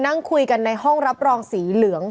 นั่งคุยกันในห้องรับรองสีเหลือง